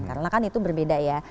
karena kan itu berbeda ya